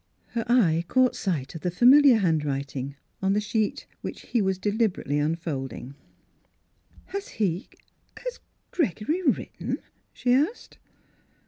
Her eye caught sight of the familiar hand writing on the sheet which he was deliber ately unfolding. "Has he — has Gregory written.''" she asked.